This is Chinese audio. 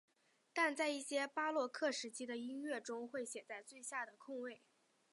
但在一些巴洛克时期的音乐中会写在最下的空位。